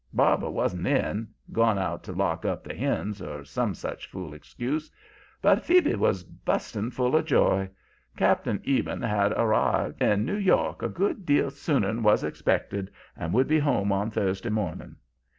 Barbara wasn't in gone out to lock up the hens, or some such fool excuse. But Phoebe was busting full of joy. Cap'n Eben had arrived in New York a good deal sooner'n was expected and would be home on Thursday morning.